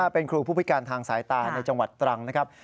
เป็นครูผู้พิการทางสายตาในจังหวัดตรังนะครับ